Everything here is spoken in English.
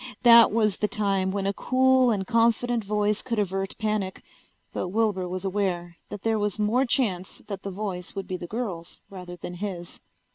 That was the time when a cool and confident voice could avert panic. But Wilbur was aware that there was more chance that the voice would be the girl's rather than his.